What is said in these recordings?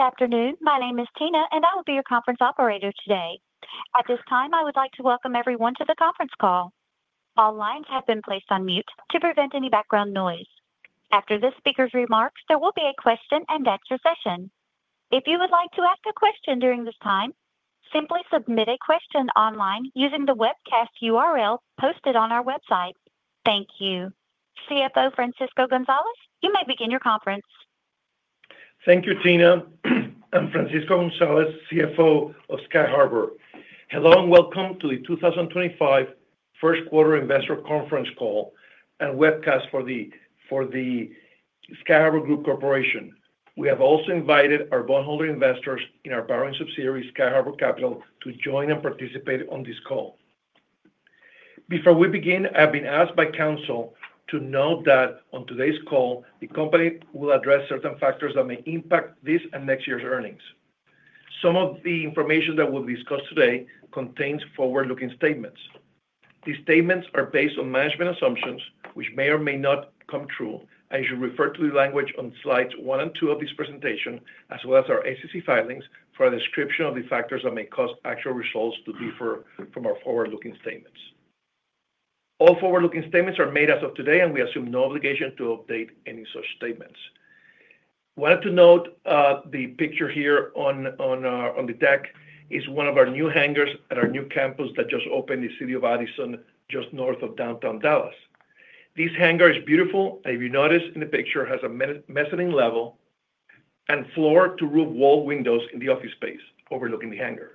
Good afternoon. My name is Tina, and I will be your conference operator today. At this time, I would like to welcome everyone to the conference call. All lines have been placed on mute to prevent any background noise. After this speaker's remarks, there will be a question-and-answer session. If you would like to ask a question during this time, simply submit a question online using the webcast URL posted on our website. Thank you. CFO Francisco Gonzalez, you may begin your conference. Thank you, Tina. I'm Francisco Gonzalez, CFO of Sky Harbour. Hello and welcome to the 2025 First Quarter Investor Conference Call and webcast for the Sky Harbour Group Corporation. We have also invited our bondholder investors in our borrowing subsidiary, Sky Harbour Capital, to join and participate on this call. Before we begin, I have been asked by counsel to note that on today's call, the company will address certain factors that may impact this and next year's earnings. Some of the information that will be discussed today contains forward-looking statements. These statements are based on management assumptions, which may or may not come true. I should refer to the language on slides one and two of this presentation, as well as our SEC filings for a description of the factors that may cause actual results to differ from our forward-looking statements. All forward-looking statements are made as of today, and we assume no obligation to update any such statements. I wanted to note the picture here on the deck is one of our new hangars at our new campus that just opened in the city of Addison, just north of downtown Dallas. This hangar is beautiful. If you notice in the picture, it has a mezzanine level and floor-to-roof wall windows in the office space overlooking the hangar.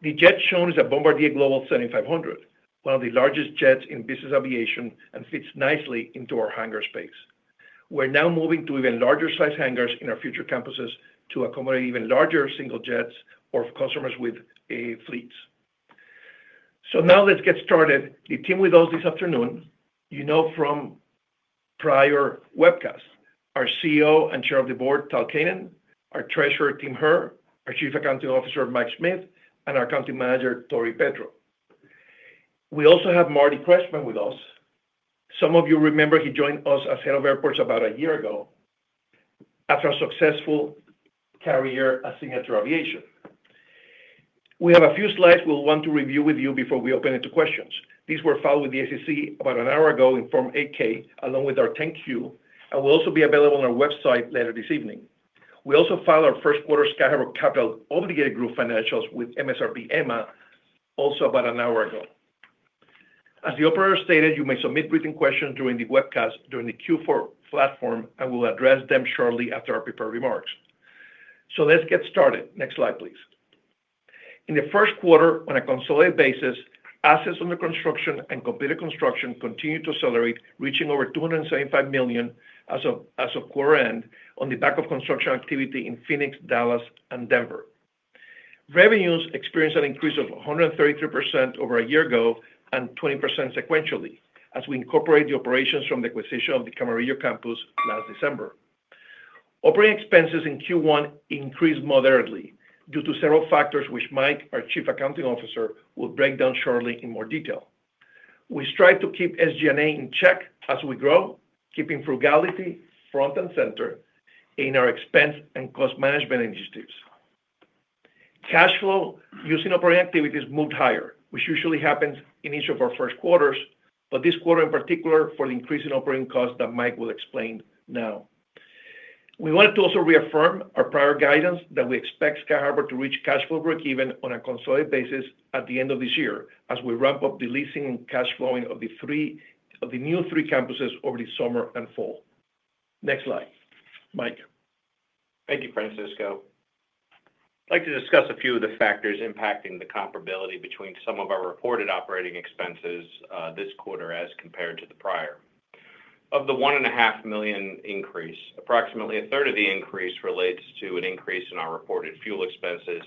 The jet shown is a Bombardier Global 7500, one of the largest jets in business aviation, and fits nicely into our hangar space. We're now moving to even larger-sized hangars in our future campuses to accommodate even larger single jets for customers with fleets. Let's get started. The team we host this afternoon, you know from prior webcasts, our CEO and Chair of the Board, Tal Keinan, our Treasurer, Tim Herr, our Chief Accounting Officer, Mike Schmitt, and our Accounting Manager, Tory Petro. We also have Marty Kretchman with us. Some of you remember he joined us as Head of Airports about a year ago after a successful career at Signature Aviation. We have a few slides we'll want to review with you before we open it to questions. These were filed with the SEC about an hour ago in Form 8-K, along with our 10-Q, and will also be available on our website later this evening. We also filed our First Quarter Sky Harbour Capital Obligated Group financials with MSRB EMMA, also about an hour ago. As the operator stated, you may submit written questions during the webcast, during the Q4 platform, and we'll address them shortly after our prepared remarks. Let's get started. Next slide, please. In the first quarter, on a consolidated basis, assets under construction and completed construction continue to accelerate, reaching over $275 million as of quarter end on the back of construction activity in Phoenix, Dallas, and Denver. Revenues experienced an increase of 133% over a year ago and 20% sequentially as we incorporate the operations from the acquisition of the Camarillo campus last December. Operating expenses in Q1 increased moderately due to several factors, which Mike, our Chief Accounting Officer, will break down shortly in more detail. We strive to keep SG&A in check as we grow, keeping frugality front and center in our expense and cost management initiatives. Cash flow using operating activities moved higher, which usually happens in each of our first quarters, but this quarter in particular for the increase in operating costs that Mike will explain now. We wanted to also reaffirm our prior guidance that we expect Sky Harbour to reach cash flow break-even on a consolidated basis at the end of this year as we ramp up the leasing and cash flowing of the new three campuses over the summer and fall. Next slide, Mike. Thank you, Francisco. I'd like to discuss a few of the factors impacting the comparability between some of our reported operating expenses this quarter as compared to the prior. Of the $1.5 million increase, approximately a third of the increase relates to an increase in our reported fuel expenses,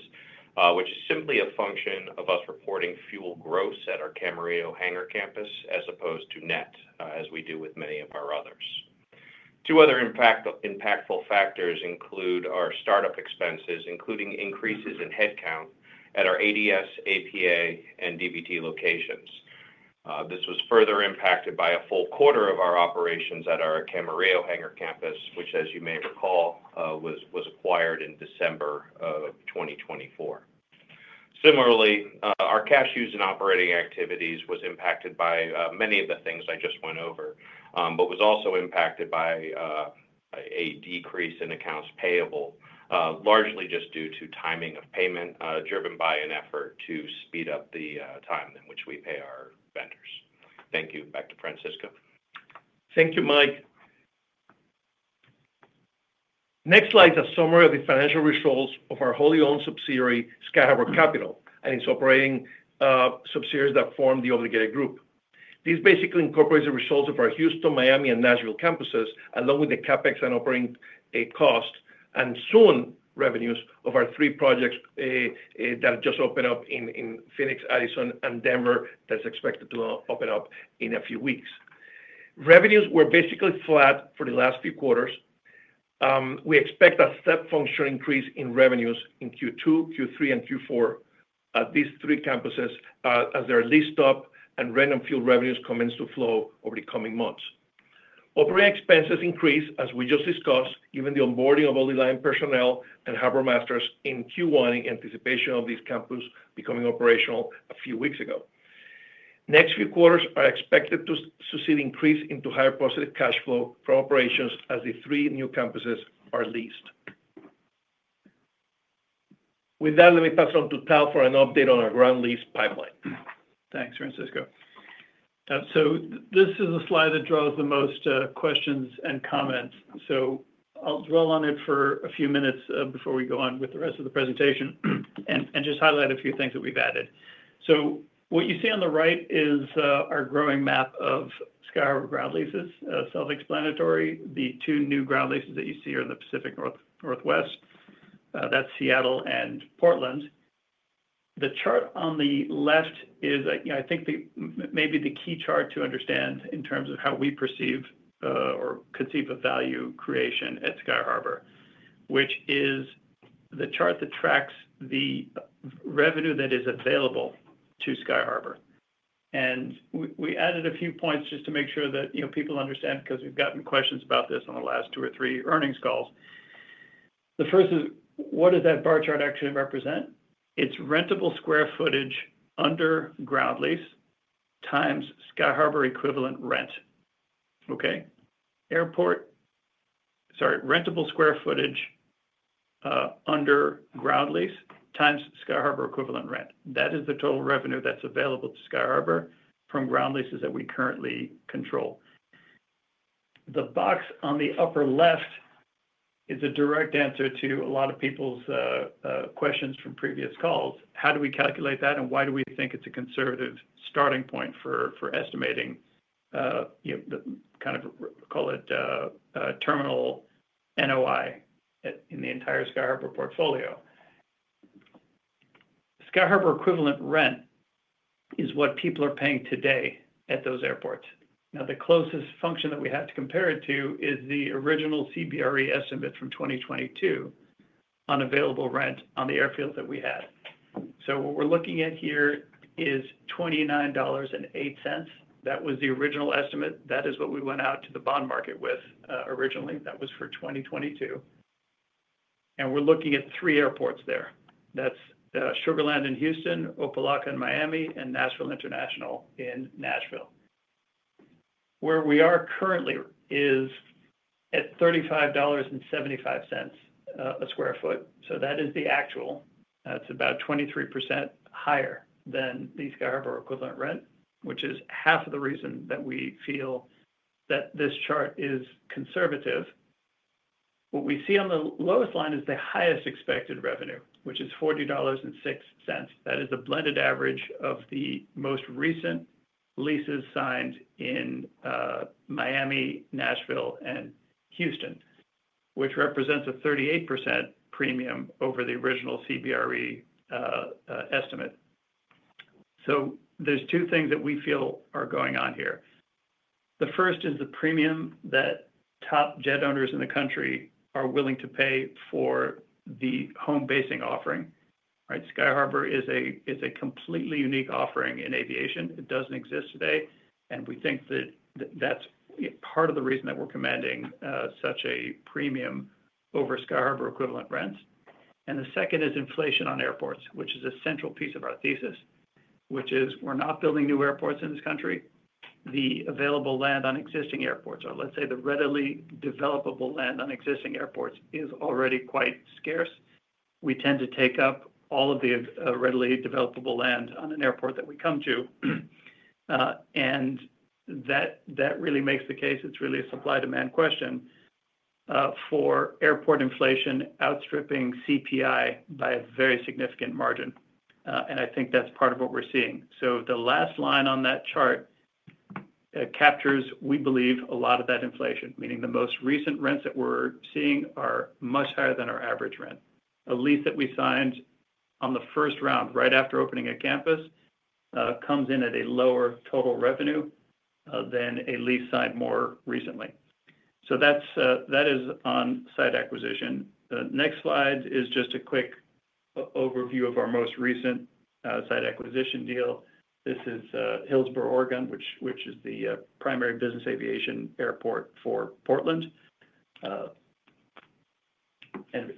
which is simply a function of us reporting fuel gross at our Camarillo hangar campus as opposed to net, as we do with many of our others. Two other impactful factors include our startup expenses, including increases in headcount at our ADS, APA, and DBT locations. This was further impacted by a full quarter of our operations at our Camarillo hangar campus, which, as you may recall, was acquired in December of 2024. Similarly, our cash use and operating activities were impacted by many of the things I just went over, but were also impacted by a decrease in accounts payable, largely just due to timing of payment driven by an effort to speed up the time in which we pay our vendors. Thank you. Back to Francisco. Thank you, Mike. Next slide is a summary of the financial results of our wholly-owned subsidiary, Sky Harbour Capital, and its operating subsidiaries that form the Obligated Group. This basically incorporates the results of our Houston, Miami, and Nashville campuses, along with the CapEx and operating costs and soon revenues of our three projects that just opened up in Phoenix, Addison, and Denver that are expected to open up in a few weeks. Revenues were basically flat for the last few quarters. We expect a step function increase in revenues in Q2, Q3, and Q4 at these three campuses as they are leased up and rent and fuel revenues commence to flow over the coming months. Operating expenses increased, as we just discussed, given the onboarding of all the line personnel and Harbour Masters in Q1 in anticipation of this campus becoming operational a few weeks ago. Next few quarters are expected to see an increase into higher positive cash flow from operations as the three new campuses are leased. With that, let me pass it on to Tal for an update on our ground lease pipeline. Thanks, Francisco. This is the slide that draws the most questions and comments. I'll dwell on it for a few minutes before we go on with the rest of the presentation and just highlight a few things that we've added. What you see on the right is our growing map of Sky Harbour ground leases, self-explanatory. The two new ground leases that you see are in the Pacific Northwest. That's Seattle and Portland. The chart on the left is, I think, maybe the key chart to understand in terms of how we perceive or conceive of value creation at Sky Harbour, which is the chart that tracks the revenue that is available to Sky Harbour. We added a few points just to make sure that people understand because we've gotten questions about this on the last two or three earnings calls. The first is, what does that bar chart actually represent? It's rentable square footage under ground lease times Sky Harbour equivalent rent. Okay? Airport, sorry, rentable square footage under ground lease times Sky Harbour equivalent rent. That is the total revenue that's available to Sky Harbour from ground leases that we currently control. The box on the upper left is a direct answer to a lot of people's questions from previous calls. How do we calculate that, and why do we think it's a conservative starting point for estimating the kind of, call it terminal NOI in the entire Sky Harbour portfolio? Sky Harbour equivalent rent is what people are paying today at those airports. Now, the closest function that we have to compare it to is the original CBRE estimate from 2022 on available rent on the airfields that we had. So what we're looking at here is $29.08. That was the original estimate. That is what we went out to the bond market with originally. That was for 2022. We are looking at three airports there. That is Sugar Land in Houston, Opa-Locka in Miami, and Nashville International in Nashville. Where we are currently is at $35.75 per sq ft. That is the actual. That is about 23% higher than the Sky Harbour equivalent rent, which is half of the reason that we feel that this chart is conservative. What we see on the lowest line is the highest expected revenue, which is $40.06. That is the blended average of the most recent leases signed in Miami, Nashville, and Houston, which represents a 38% premium over the original CBRE estimate. There are two things that we feel are going on here. The first is the premium that top jet owners in the country are willing to pay for the home basing offering. Sky Harbour is a completely unique offering in aviation. It does not exist today. We think that is part of the reason that we are commanding such a premium over Sky Harbour equivalent rents. The second is inflation on airports, which is a central piece of our thesis, which is we are not building new airports in this country. The available land on existing airports, or let's say the readily developable land on existing airports, is already quite scarce. We tend to take up all of the readily developable land on an airport that we come to. That really makes the case. It is really a supply-demand question for airport inflation outstripping CPI by a very significant margin. I think that is part of what we are seeing. The last line on that chart captures, we believe, a lot of that inflation, meaning the most recent rents that we are seeing are much higher than our average rent. A lease that we signed on the first round, right after opening a campus, comes in at a lower total revenue than a lease signed more recently. That is on site acquisition. The next slide is just a quick overview of our most recent site acquisition deal. This is Hillsborough, Oregon, which is the primary business aviation airport for Portland.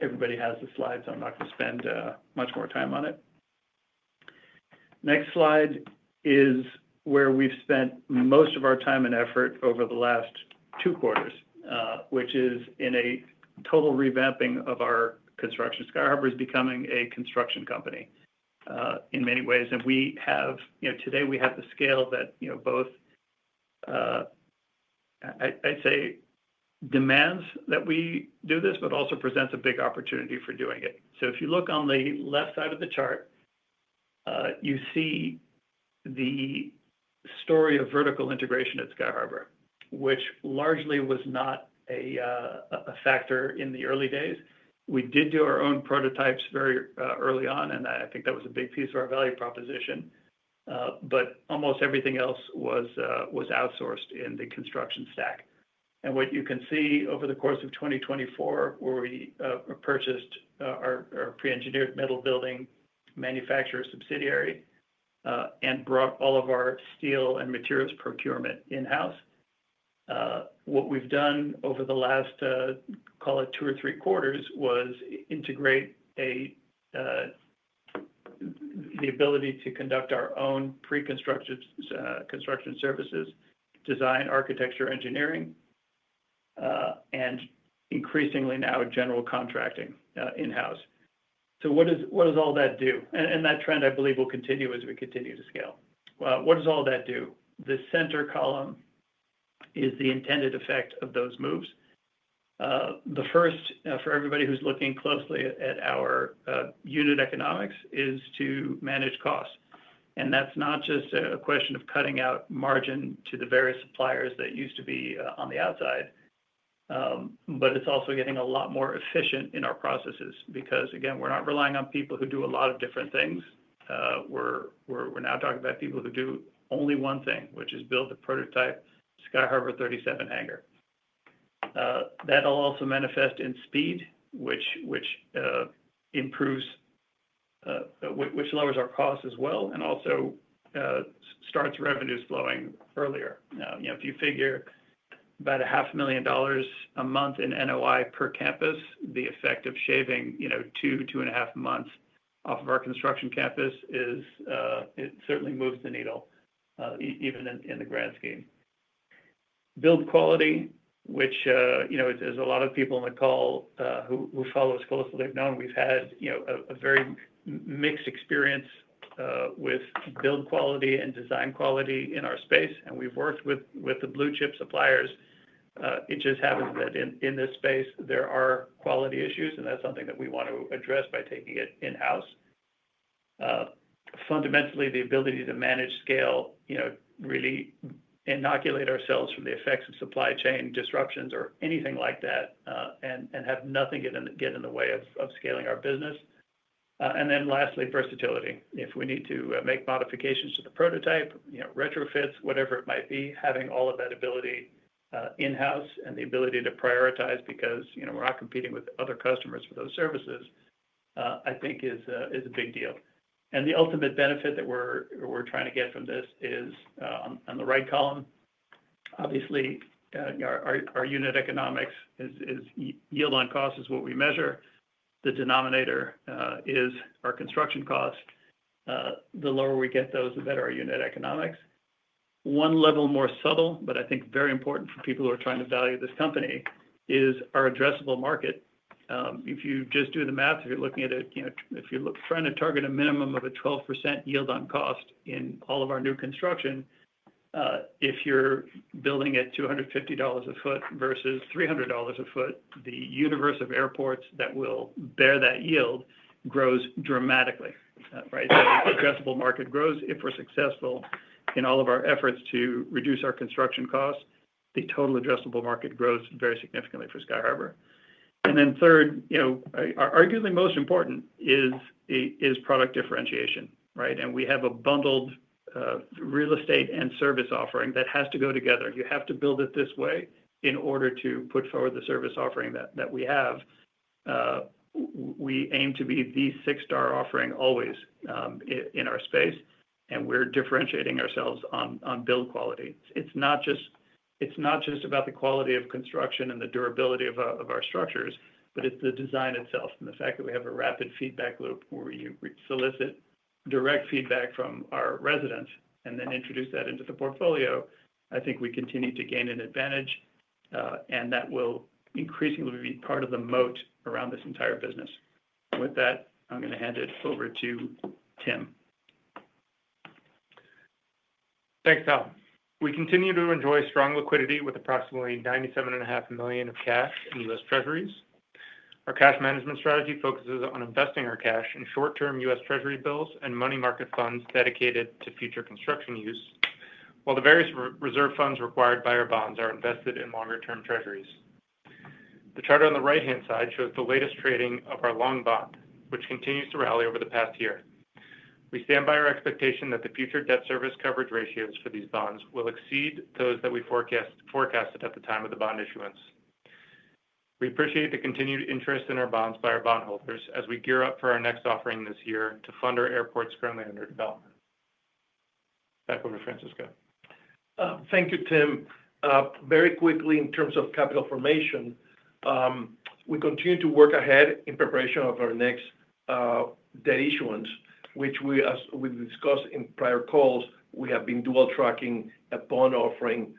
Everybody has the slides, so I am not going to spend much more time on it. The next slide is where we have spent most of our time and effort over the last two quarters, which is in a total revamping of our construction. Sky Harbour is becoming a construction company in many ways. Today, we have the scale that both, I'd say, demands that we do this, but also presents a big opportunity for doing it. If you look on the left side of the chart, you see the story of vertical integration at Sky Harbour, which largely was not a factor in the early days. We did do our own prototypes very early on, and I think that was a big piece of our value proposition. Almost everything else was outsourced in the construction stack. What you can see over the course of 2024, where we purchased our pre-engineered metal building manufacturer subsidiary and brought all of our steel and materials procurement in-house. What we've done over the last, call it, two or three quarters was integrate the ability to conduct our own pre-construction services, design, architecture, engineering, and increasingly now general contracting in-house. What does all that do? That trend, I believe, will continue as we continue to scale. What does all that do? The center column is the intended effect of those moves. The first, for everybody who's looking closely at our unit economics, is to manage costs. That's not just a question of cutting out margin to the various suppliers that used to be on the outside, but it's also getting a lot more efficient in our processes because, again, we're not relying on people who do a lot of different things. We're now talking about people who do only one thing, which is build the prototype Sky Harbour 37 hangar. That'll also manifest in speed, which lowers our costs as well and also starts revenues flowing earlier. If you figure about $500,000 a month in NOI per campus, the effect of shaving two, 2.5 months off of our construction campus certainly moves the needle, even in the grand scheme. Build quality, which there's a lot of people on the call who follow us closely. We've known we've had a very mixed experience with build quality and design quality in our space. And we've worked with the blue chip suppliers. It just happens that in this space, there are quality issues, and that's something that we want to address by taking it in-house. Fundamentally, the ability to manage scale really inoculate ourselves from the effects of supply chain disruptions or anything like that and have nothing get in the way of scaling our business. Lastly, versatility. If we need to make modifications to the prototype, retrofits, whatever it might be, having all of that ability in-house and the ability to prioritize because we're not competing with other customers for those services, I think, is a big deal. The ultimate benefit that we're trying to get from this is on the right column, obviously, our unit economics is yield on cost is what we measure. The denominator is our construction cost. The lower we get those, the better our unit economics. One level more subtle, but I think very important for people who are trying to value this company is our addressable market. If you just do the math, if you're looking at it, if you're trying to target a minimum of a 12% yield on cost in all of our new construction, if you're building at $250 a sq ft versus $300 a sq ft, the universe of airports that will bear that yield grows dramatically. Right? The addressable market grows if we're successful in all of our efforts to reduce our construction costs. The total addressable market grows very significantly for Sky Harbour. Third, arguably most important is product differentiation. Right? We have a bundled real estate and service offering that has to go together. You have to build it this way in order to put forward the service offering that we have. We aim to be the six-star offering always in our space, and we're differentiating ourselves on build quality. It's not just about the quality of construction and the durability of our structures, but it's the design itself and the fact that we have a rapid feedback loop where we solicit direct feedback from our residents and then introduce that into the portfolio. I think we continue to gain an advantage, and that will increasingly be part of the moat around this entire business. With that, I'm going to hand it over to Tim. Thanks, Tal. We continue to enjoy strong liquidity with approximately $97.5 million of cash in US treasuries. Our cash management strategy focuses on investing our cash in short-term US treasury bills and money market funds dedicated to future construction use, while the various reserve funds required by our bonds are invested in longer-term treasuries. The chart on the right-hand side shows the latest trading of our long bond, which continues to rally over the past year. We stand by our expectation that the future debt service coverage ratios for these bonds will exceed those that we forecasted at the time of the bond issuance. We appreciate the continued interest in our bonds by our bondholders as we gear up for our next offering this year to fund our airports currently under development. Back over to Francisco. Thank you, Tim. Very quickly, in terms of capital formation, we continue to work ahead in preparation of our next debt issuance, which, as we discussed in prior calls, we have been dual-tracking a bond offering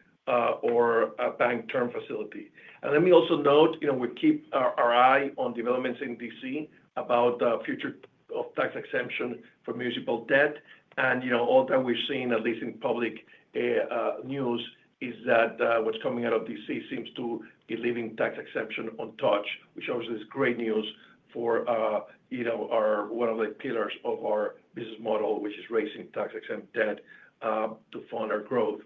or a bank term facility. Let me also note we keep our eye on developments in D.C. about the future of tax exemption for municipal debt. All that we've seen, at least in public news, is that what's coming out of D.C. seems to be leaving tax exemption untouched, which also is great news for one of the pillars of our business model, which is raising tax exempt debt to fund our growth.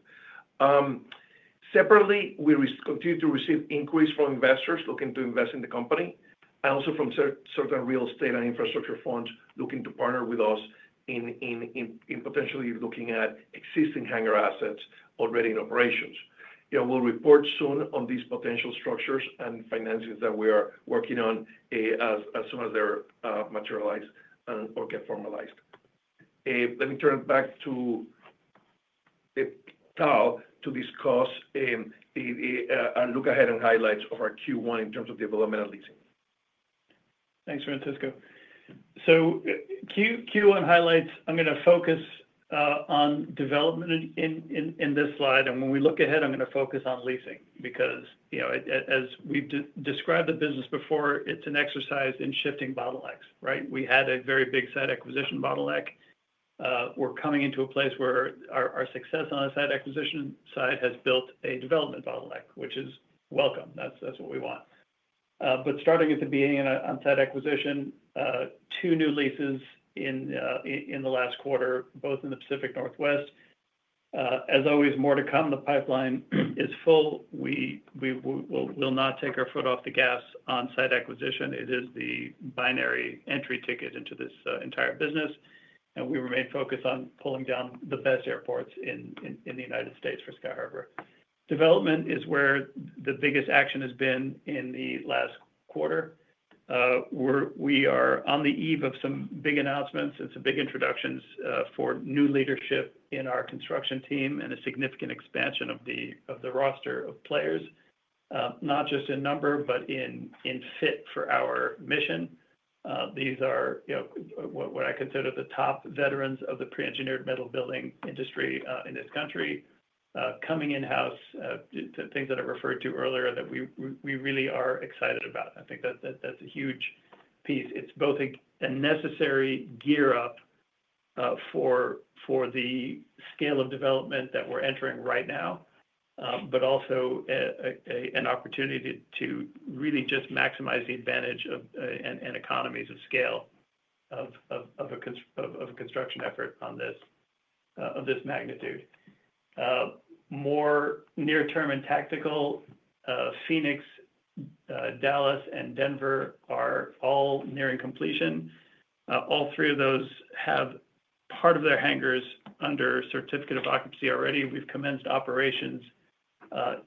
Separately, we continue to receive inquiries from investors looking to invest in the company and also from certain real estate and infrastructure funds looking to partner with us in potentially looking at existing hangar assets already in operations. We'll report soon on these potential structures and finances that we are working on as soon as they are materialized or get formalized. Let me turn it back to Tal to discuss and look ahead and highlights of our Q1 in terms of development and leasing. Thanks, Francisco. Q1 highlights, I'm going to focus on development in this slide. When we look ahead, I'm going to focus on leasing because, as we've described the business before, it's an exercise in shifting bottlenecks. Right? We had a very big site acquisition bottleneck. We're coming into a place where our success on the site acquisition side has built a development bottleneck, which is welcome. That's what we want. Starting at the beginning on site acquisition, two new leases in the last quarter, both in the Pacific Northwest. As always, more to come. The pipeline is full. We will not take our foot off the gas on site acquisition. It is the binary entry ticket into this entire business. We remain focused on pulling down the best airports in the United States for Sky Harbour. Development is where the biggest action has been in the last quarter. We are on the eve of some big announcements. It's a big introduction for new leadership in our construction team and a significant expansion of the roster of players, not just in number, but in fit for our mission. These are what I consider the top veterans of the pre-engineered metal building industry in this country, coming in-house, things that I referred to earlier that we really are excited about. I think that's a huge piece. It's both a necessary gear up for the scale of development that we're entering right now, but also an opportunity to really just maximize the advantage and economies of scale of a construction effort on this magnitude. More near-term and tactical, Phoenix, Dallas, and Denver are all nearing completion. All three of those have part of their hangars under certificate of occupancy already. We've commenced operations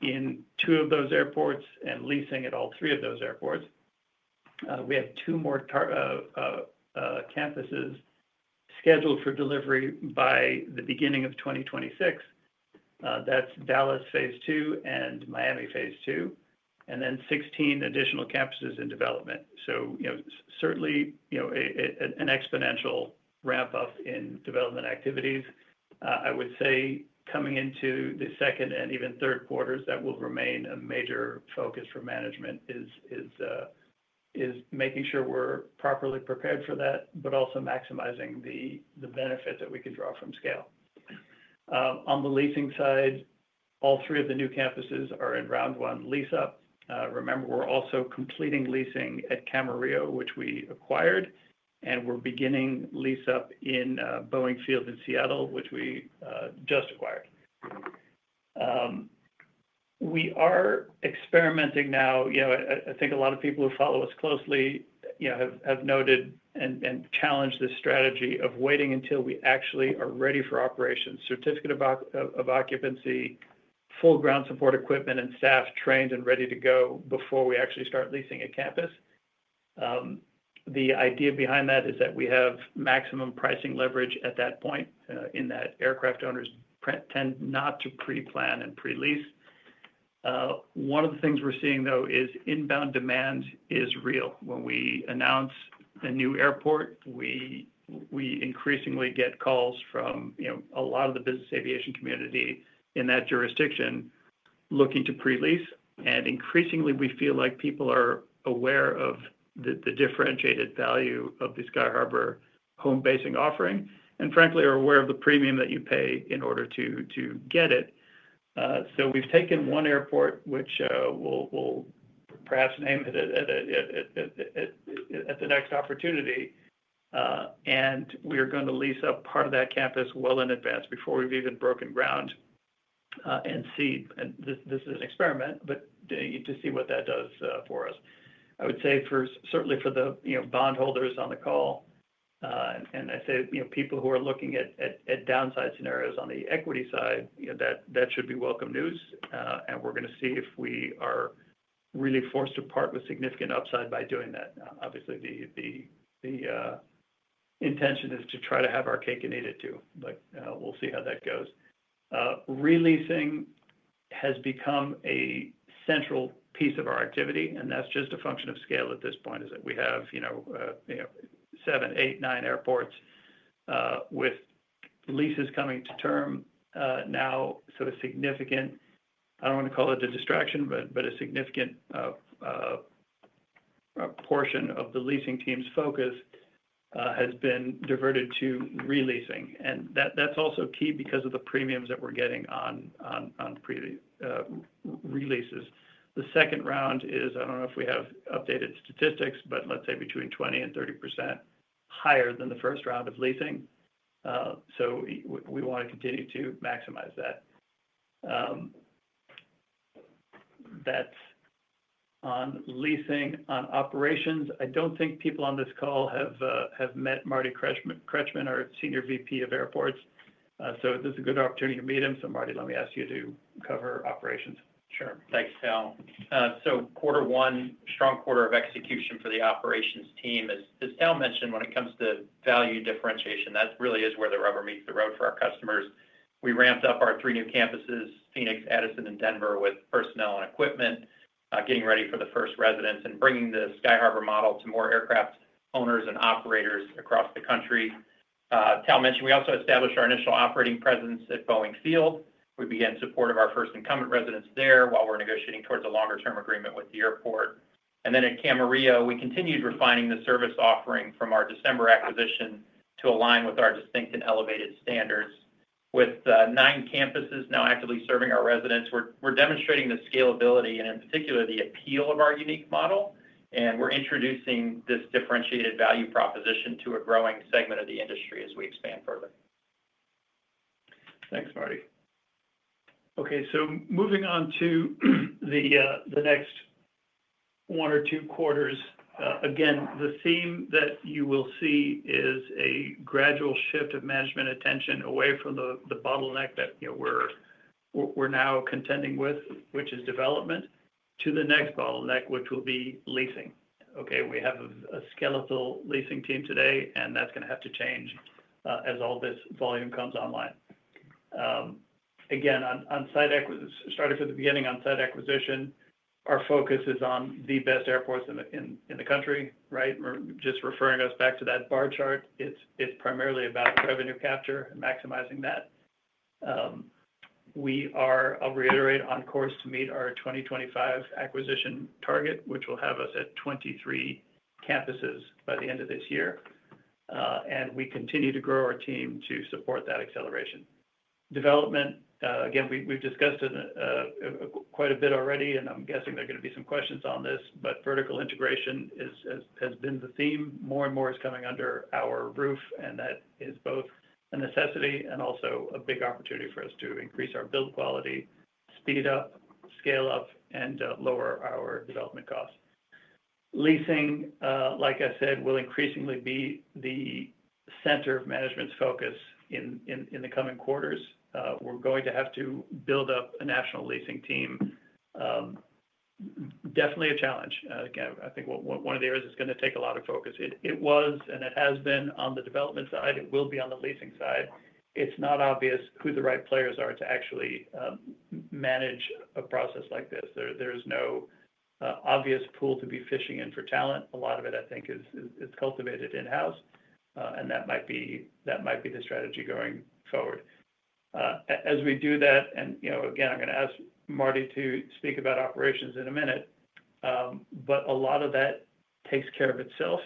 in two of those airports and leasing at all three of those airports. We have two more campuses scheduled for delivery by the beginning of 2026. That's Dallas phase II and Miami phase II, and then 16 additional campuses in development. Certainly an exponential ramp-up in development activities. I would say coming into the second and even third quarters, that will remain a major focus for management is making sure we're properly prepared for that, but also maximizing the benefit that we can draw from scale. On the leasing side, all three of the new campuses are in round one lease-up. Remember, we're also completing leasing at Camarillo, which we acquired, and we're beginning lease-up in Boeing Field in Seattle, which we just acquired. We are experimenting now. I think a lot of people who follow us closely have noted and challenged this strategy of waiting until we actually are ready for operations, certificate of occupancy, full ground support equipment, and staff trained and ready to go before we actually start leasing a campus. The idea behind that is that we have maximum pricing leverage at that point in that aircraft owners tend not to pre-plan and pre-lease. One of the things we're seeing, though, is inbound demand is real. When we announce a new airport, we increasingly get calls from a lot of the business aviation community in that jurisdiction looking to pre-lease. And increasingly, we feel like people are aware of the differentiated value of the Sky Harbour home basing offering and, frankly, are aware of the premium that you pay in order to get it. We have taken one airport, which we will perhaps name at the next opportunity, and we are going to lease up part of that campus well in advance before we have even broken ground. This is an experiment, but to see what that does for us. I would say certainly for the bondholders on the call, and I say people who are looking at downside scenarios on the equity side, that should be welcome news. We are going to see if we are really forced to part with significant upside by doing that. Obviously, the intention is to try to have our cake and eat it too, but we will see how that goes. Pre-leasing has become a central piece of our activity, and that is just a function of scale at this point, is that we have seven, eight, nine airports with leases coming to term now. A significant—I do not want to call it a distraction, but a significant portion of the leasing team's focus has been diverted to releasing. That is also key because of the premiums that we are getting on releases. The second round is—I do not know if we have updated statistics, but let's say between 20%-30% higher than the first round of leasing. We want to continue to maximize that. That is on leasing. On operations, I do not think people on this call have met Marty Kretchman, our Senior Vice President of Airports. This is a good opportunity to meet him. Marty, let me ask you to cover operations. Sure. Thanks, Tal. Quarter one, strong quarter of execution for the operations team. As Tal mentioned, when it comes to value differentiation, that really is where the rubber meets the road for our customers. We ramped up our three new campuses, Phoenix, Addison, and Denver, with personnel and equipment, getting ready for the first residents and bringing the Sky Harbour model to more aircraft owners and operators across the country. Tal mentioned we also established our initial operating presence at Boeing Field. We began support of our first incumbent residents there while we are negotiating towards a longer-term agreement with the airport. At Camarillo, we continued refining the service offering from our December acquisition to align with our distinct and elevated standards. With nine campuses now actively serving our residents, we are demonstrating the scalability and, in particular, the appeal of our unique model. We are introducing this differentiated value proposition to a growing segment of the industry as we expand further. Thanks, Marty. Okay. Moving on to the next one or two quarters. Again, the theme that you will see is a gradual shift of management attention away from the bottleneck that we're now contending with, which is development, to the next bottleneck, which will be leasing. Okay? We have a skeletal leasing team today, and that's going to have to change as all this volume comes online. Again, starting from the beginning, on site acquisition, our focus is on the best airports in the country. Right? Just referring us back to that bar chart, it's primarily about revenue capture and maximizing that. We are, I'll reiterate, on course to meet our 2025 acquisition target, which will have us at 23 campuses by the end of this year. We continue to grow our team to support that acceleration. Development, again, we've discussed quite a bit already, and I'm guessing there are going to be some questions on this, but vertical integration has been the theme. More and more is coming under our roof, and that is both a necessity and also a big opportunity for us to increase our build quality, speed up, scale up, and lower our development costs. Leasing, like I said, will increasingly be the center of management's focus in the coming quarters. We're going to have to build up a national leasing team. Definitely a challenge. Again, I think one of the areas is going to take a lot of focus. It was and it has been on the development side. It will be on the leasing side. It's not obvious who the right players are to actually manage a process like this. There is no obvious pool to be fishing in for talent. A lot of it, I think, is cultivated in-house, and that might be the strategy going forward. As we do that, and again, I'm going to ask Marty to speak about operations in a minute, but a lot of that takes care of itself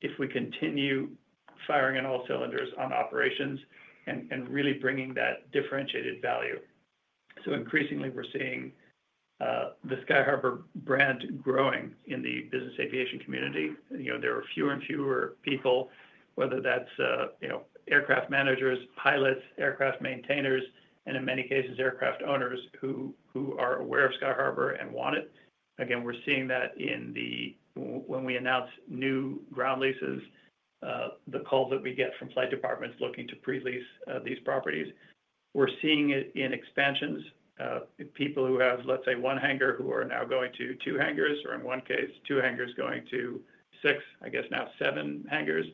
if we continue firing on all cylinders on operations and really bringing that differentiated value. Increasingly, we're seeing the Sky Harbour brand growing in the business aviation community. There are fewer and fewer people, whether that's aircraft managers, pilots, aircraft maintainers, and in many cases, aircraft owners who are aware of Sky Harbour and want it. Again, we're seeing that when we announce new ground leases, the calls that we get from flight departments looking to pre-lease these properties. We're seeing it in expansions. People who have, let's say, one hangar who are now going to two hangars or, in one case, two hangars going to six, I guess now seven hangars,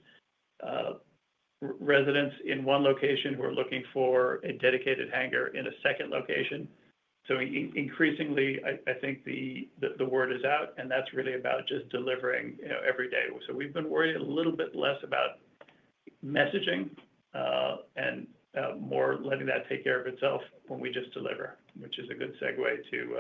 residents in one location who are looking for a dedicated hangar in a second location. Increasingly, I think the word is out, and that's really about just delivering every day. We've been worried a little bit less about messaging and more letting that take care of itself when we just deliver, which is a good segue to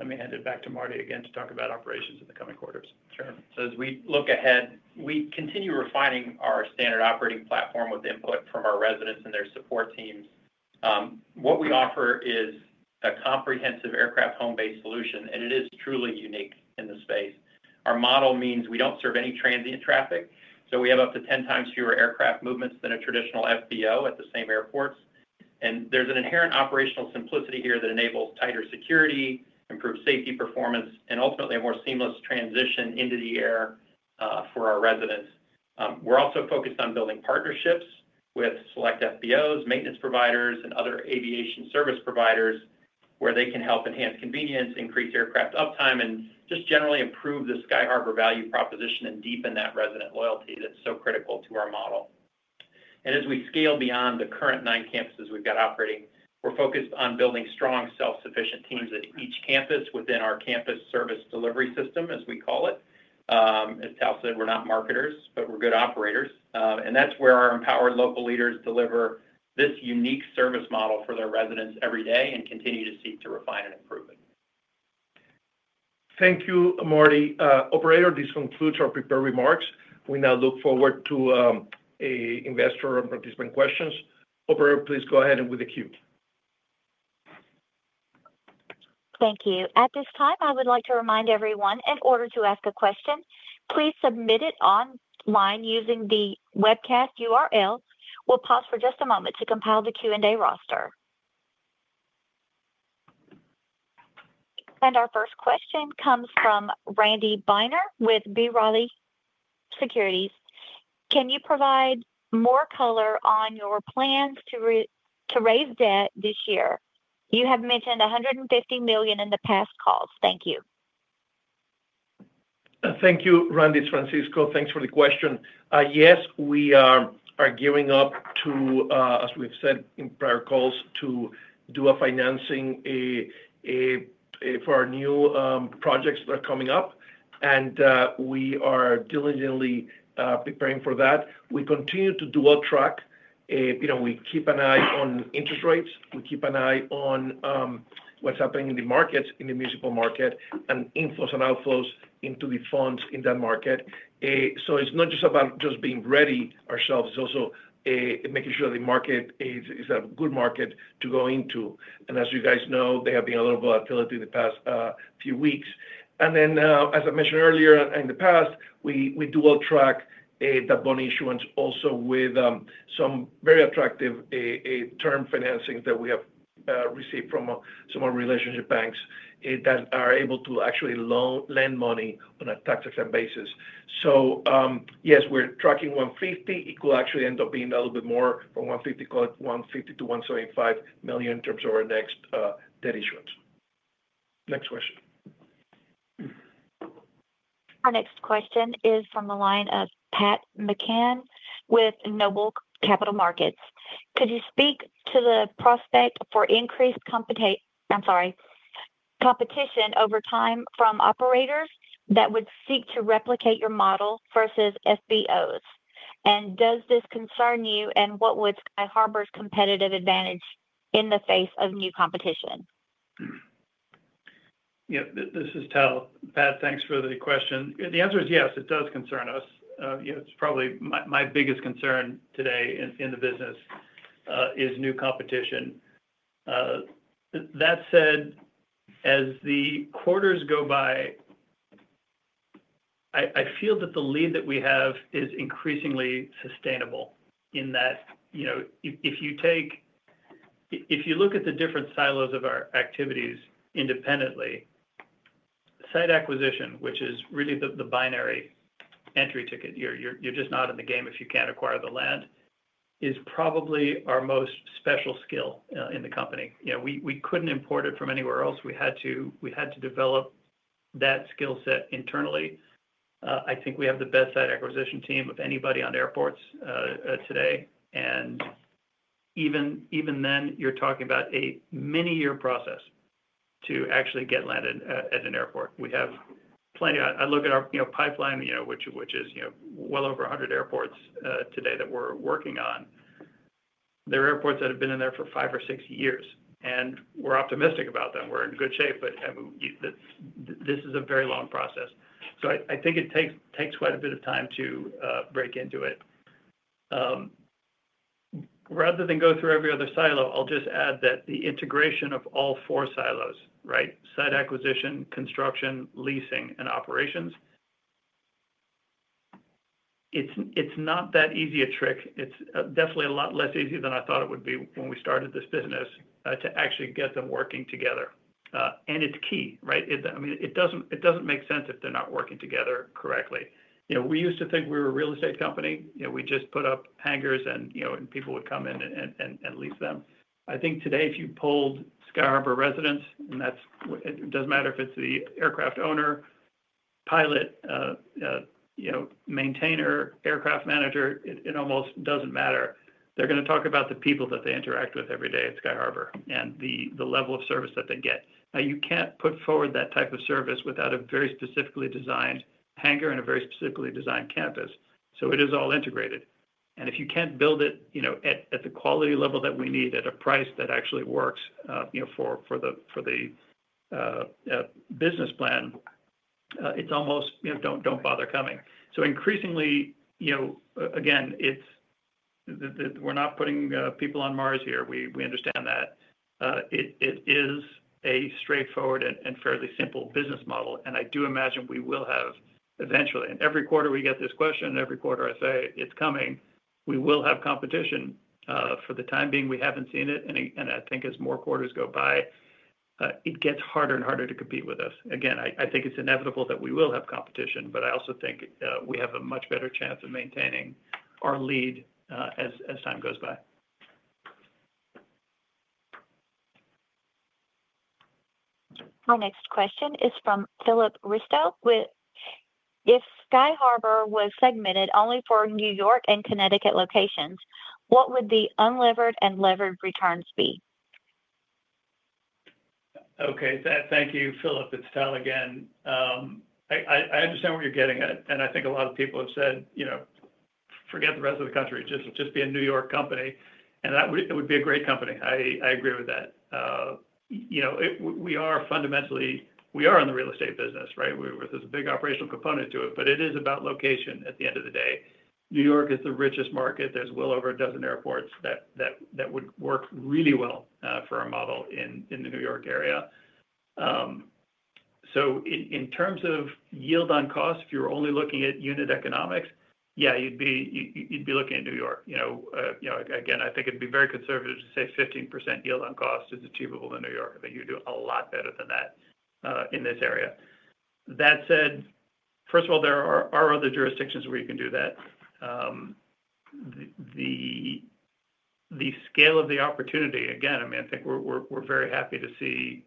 let me hand it back to Marty again to talk about operations in the coming quarters. Sure. As we look ahead, we continue refining our standard operating platform with input from our residents and their support teams. What we offer is a comprehensive aircraft home-based solution, and it is truly unique in the space. Our model means we don't serve any transient traffic. We have up to 10x fewer aircraft movements than a traditional FBO at the same airports. There is an inherent operational simplicity here that enables tighter security, improved safety performance, and ultimately a more seamless transition into the air for our residents. We are also focused on building partnerships with select FBOs, maintenance providers, and other aviation service providers where they can help enhance convenience, increase aircraft uptime, and just generally improve the Sky Harbour value proposition and deepen that resident loyalty that's so critical to our model. As we scale beyond the current nine campuses we've got operating, we are focused on building strong, self-sufficient teams at each campus within our campus service delivery system, as we call it. As Tal said, we're not marketers, but we're good operators. That is where our empowered local leaders deliver this unique service model for their residents every day and continue to seek to refine and improve it. Thank you, Marty. Operator, this concludes our prepared remarks. We now look forward to investor and participant questions. Operator, please go ahead with the queue. Thank you. At this time, I would like to remind everyone, in order to ask a question, please submit it online using the webcast URL. We'll pause for just a moment to compile the Q&A roster. Our first question comes from Randy Binner with B. Riley Securities. Can you provide more color on your plans to raise debt this year? You have mentioned $150 million in past calls. Thank you. Thank you, Randy. Francisco, thanks for the question. Yes, we are gearing up to, as we've said in prior calls, to do a financing for our new projects that are coming up. And we are diligently preparing for that. We continue to do well track. We keep an eye on interest rates. We keep an eye on what's happening in the markets, in the municipal market, and inflows and outflows into the funds in that market. It is not just about just being ready ourselves. It is also making sure that the market is a good market to go into. As you guys know, there have been a lot of volatility in the past few weeks. As I mentioned earlier in the past, we do well track that bond issuance also with some very attractive term financings that we have received from some of our relationship banks that are able to actually lend money on a tax-exempt basis. Yes, we're tracking $150 million. It could actually end up being a little bit more, from $150 million-$175 million in terms of our next debt issuance. Next question. Our next question is from the line of Pat McCann with Noble Capital Markets. Could you speak to the prospect for increased competition over time from operators that would seek to replicate your model versus FBOs? Does this concern you, and what would Sky Harbour's competitive advantage be in the face of new competition? Yeah. This is Tal. Pat, thanks for the question. The answer is yes. It does concern us. It's probably my biggest concern today in the business is new competition. That said, as the quarters go by, I feel that the lead that we have is increasingly sustainable in that if you look at the different silos of our activities independently, site acquisition, which is really the binary entry ticket—you are just not in the game if you cannot acquire the land—is probably our most special skill in the company. We could not import it from anywhere else. We had to develop that skill set internally. I think we have the best site acquisition team of anybody on airports today. Even then, you are talking about a many-year process to actually get landed at an airport. We have plenty of—I look at our pipeline, which is well over 100 airports today that we're working on. There are airports that have been in there for five or six years, and we're optimistic about them. We're in good shape, but this is a very long process. I think it takes quite a bit of time to break into it. Rather than go through every other silo, I'll just add that the integration of all four silos, right? Site acquisition, construction, leasing, and operations—it's not that easy a trick. It's definitely a lot less easy than I thought it would be when we started this business to actually get them working together. It's key, right? I mean, it doesn't make sense if they're not working together correctly. We used to think we were a real estate company. We just put up hangars, and people would come in and lease them. I think today, if you polled Sky Harbour residents, and it does not matter if it is the aircraft owner, pilot, maintainer, aircraft manager, it almost does not matter. They are going to talk about the people that they interact with every day at Sky Harbour and the level of service that they get. Now, you cannot put forward that type of service without a very specifically designed hangar and a very specifically designed campus. It is all integrated. If you cannot build it at the quality level that we need at a price that actually works for the business plan, it is almost do not bother coming. Increasingly, again, we are not putting people on Mars here. We understand that. It is a straightforward and fairly simple business model. I do imagine we will have eventually. Every quarter we get this question, and every quarter I say, "It's coming." We will have competition. For the time being, we haven't seen it. I think as more quarters go by, it gets harder and harder to compete with us. Again, I think it's inevitable that we will have competition, but I also think we have a much better chance of maintaining our lead as time goes by. Our next question is from Philip Risto with, "If Sky Harbour was segmented only for New York and Connecticut locations, what would the unlevered and levered returns be? Okay. Thank you, Philip. It's Tal again. I understand what you're getting at. I think a lot of people have said, "Forget the rest of the country. Just be a New York company." It would be a great company. I agree with that. We are fundamentally—we are in the real estate business. Right? There is a big operational component to it, but it is about location at the end of the day. New York is the richest market. There is well over a dozen airports that would work really well for our model in the New York area. In terms of yield on cost, if you're only looking at unit economics, yeah, you'd be looking at New York. I think it would be very conservative to say 15% yield on cost is achievable in New York. I think you'd do a lot better than that in this area. That said, first of all, there are other jurisdictions where you can do that. The scale of the opportunity, again, I mean, I think we're very happy to see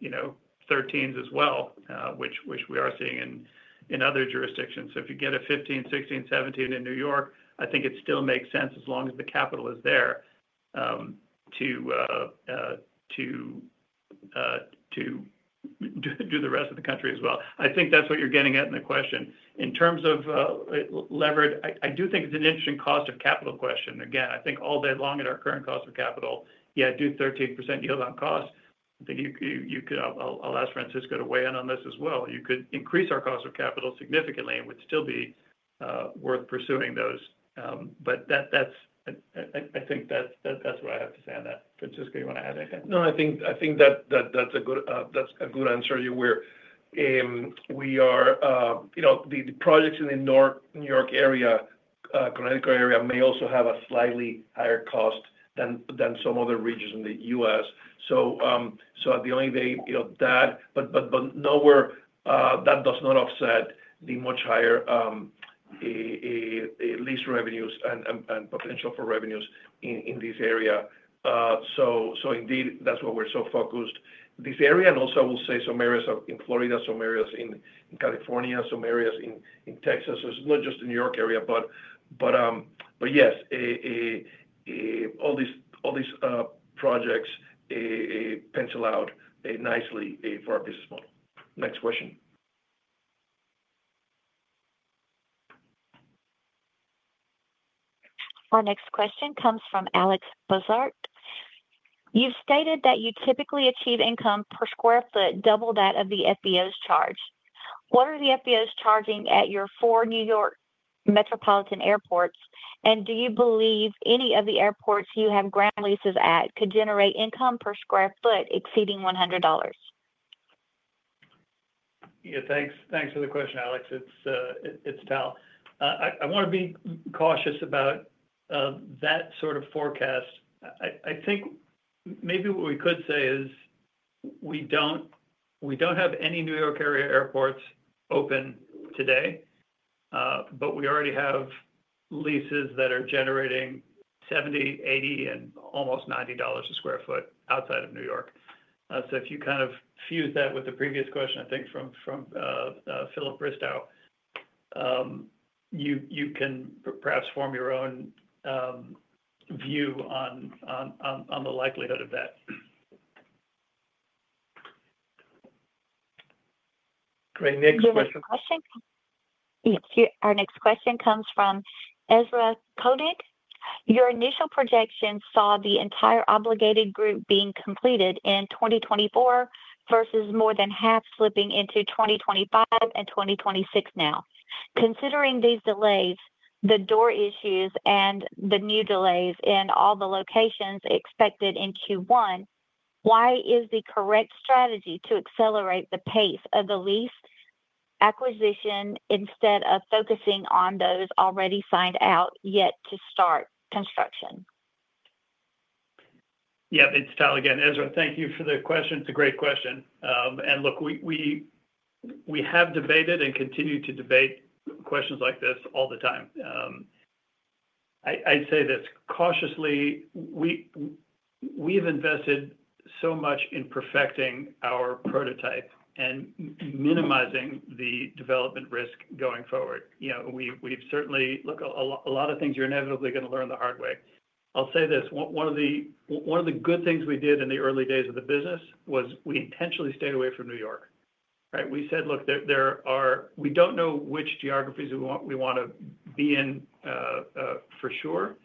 13%s as well, which we are seeing in other jurisdictions. If you get a 15%, 16%, 17% in New York, I think it still makes sense as long as the capital is there to do the rest of the country as well. I think that's what you're getting at in the question. In terms of levered, I do think it's an interesting cost of capital question. Again, I think all day long at our current cost of capital, yeah, do 13% yield on cost. I think you could—I will ask Francisco to weigh in on this as well. You could increase our cost of capital significantly, and it would still be worth pursuing those. I think that's what I have to say on that. Francisco, you want to add anything? No, I think that's a good answer. We are—the projects in the New York area, Connecticut area may also have a slightly higher cost than some other regions in the U.S. The only way that—nowhere does that not offset the much higher lease revenues and potential for revenues in this area. Indeed, that's why we're so focused. This area and also I will say some areas in Florida, some areas in California, some areas in Texas. It's not just the New York area, but yes, all these projects pencil out nicely for our business model. Next question. Our next question comes from Alec Bozert. You've stated that you typically achieve income per square foot double that of the FBOs charge. What are the FBOs charging at your four New York metropolitan airports? Do you believe any of the airports you have ground leases at could generate income per square foot exceeding $100? Yeah. Thanks for the question, Alec. It's Tal. I want to be cautious about that sort of forecast. I think maybe what we could say is we do not have any New York area airports open today, but we already have leases that are generating $70, $80, and almost $90 a sq ft outside of New York. If you kind of fuse that with the previous question, I think from Philip Risto, you can perhaps form your own view on the likelihood of that. Great. Next question. Our next question comes from Ezra Koenig. Your initial projection saw the entire obligated group being completed in 2024 versus more than half slipping into 2025 and 2026 now. Considering these delays, the door issues, and the new delays in all the locations expected in Q1, why is the correct strategy to accelerate the pace of the lease acquisition instead of focusing on those already signed out yet to start construction? Yeah. It's Tal again. Ezra, thank you for the question. It's a great question. Look, we have debated and continue to debate questions like this all the time. I'd say this cautiously. We have invested so much in perfecting our prototype and minimizing the development risk going forward. We've certainly—look, a lot of things you're inevitably going to learn the hard way. I'll say this. One of the good things we did in the early days of the business was we intentionally stayed away from New York. Right? We said, "Look, we don't know which geographies we want to be in for sure.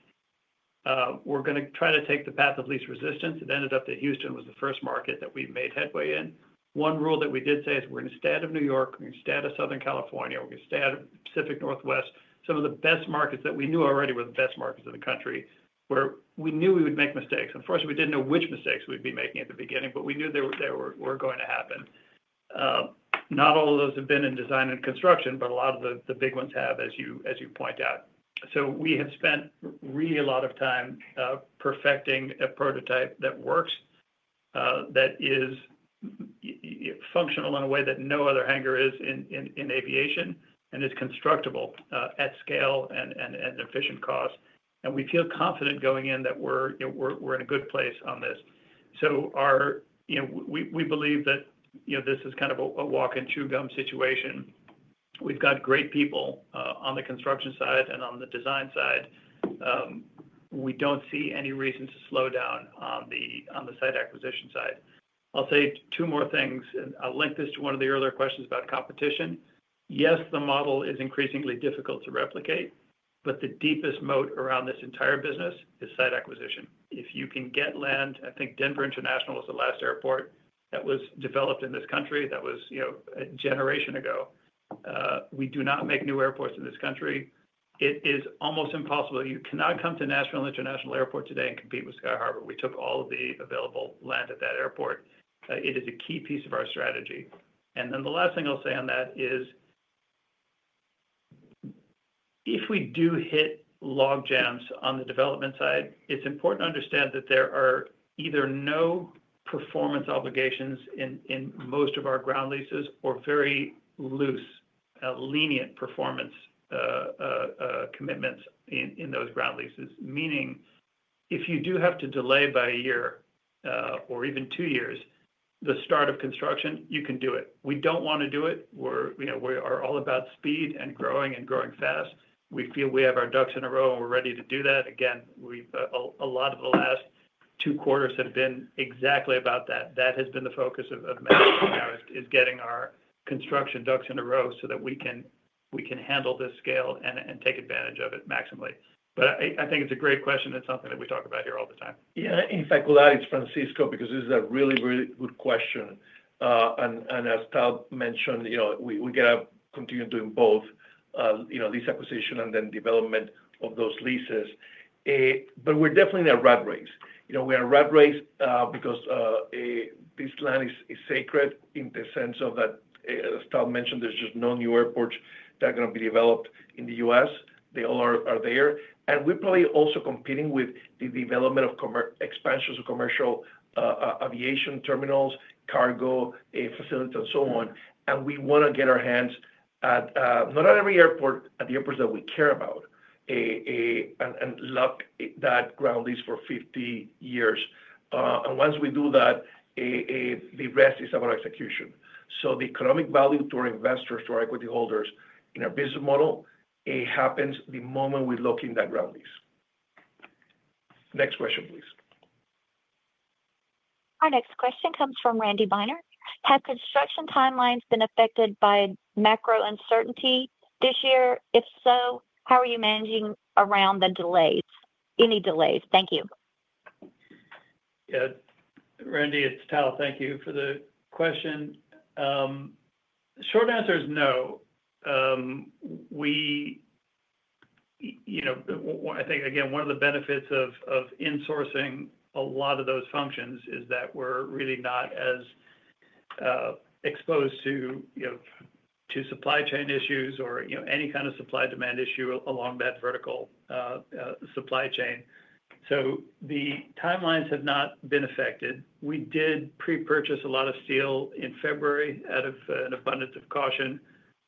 We're going to try to take the path of least resistance." It ended up that Houston was the first market that we made headway in. One rule that we did say is we're going to stay out of New York. We're going to stay out of Southern California. We're going to stay out of Pacific Northwest. Some of the best markets that we knew already were the best markets in the country where we knew we would make mistakes. Unfortunately, we didn't know which mistakes we'd be making at the beginning, but we knew they were going to happen. Not all of those have been in design and construction, but a lot of the big ones have, as you point out. We have spent really a lot of time perfecting a prototype that works, that is functional in a way that no other hangar is in aviation, and is constructable at scale and efficient cost. We feel confident going in that we're in a good place on this. We believe that this is kind of a walk-and-chew-gum situation. We've got great people on the construction side and on the design side. We don't see any reason to slow down on the site acquisition side. I'll say two more things. I'll link this to one of the earlier questions about competition. Yes, the model is increasingly difficult to replicate, but the deepest moat around this entire business is site acquisition. If you can get land—I think Denver International was the last airport that was developed in this country—that was a generation ago. We do not make new airports in this country. It is almost impossible. You cannot come to National International Airport today and compete with Sky Harbour. We took all of the available land at that airport. It is a key piece of our strategy. The last thing I'll say on that is if we do hit log jams on the development side, it's important to understand that there are either no performance obligations in most of our ground leases or very loose, lenient performance commitments in those ground leases. Meaning if you do have to delay by a year or even two years the start of construction, you can do it. We do not want to do it. We are all about speed and growing and growing fast. We feel we have our ducks in a row, and we're ready to do that. Again, a lot of the last two quarters have been exactly about that. That has been the focus of Mexico now, is getting our construction ducks in a row so that we can handle this scale and take advantage of it maximally. I think it's a great question, and it's something that we talk about here all the time. Yeah. In fact, good answer from Francisco because this is a really, really good question. As Tal mentioned, we get to continue doing both lease acquisition and then development of those leases. We are definitely in a rat race. We are in a rat race because this land is sacred in the sense that, as Tal mentioned, there are just no new airports that are going to be developed in the U.S. They all are there. We are probably also competing with the development of expansions of commercial aviation terminals, cargo facilities, and so on. We want to get our hands not on every airport, but at the airports that we care about and lock that ground lease for 50 years. Once we do that, the rest is about execution. The economic value to our investors, to our equity holders in our business model happens the moment we lock in that ground lease. Next question, please. Our next question comes from Randy Binner. Have construction timelines been affected by macro uncertainty this year? If so, how are you managing around the delays? Any delays? Thank you. Yeah. Randy, it's Tal. Thank you for the question. Short answer is no. I think, again, one of the benefits of insourcing a lot of those functions is that we're really not as exposed to supply chain issues or any kind of supply demand issue along that vertical supply chain. The timelines have not been affected. We did pre-purchase a lot of steel in February out of an abundance of caution.